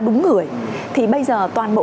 đúng người thì bây giờ toàn bộ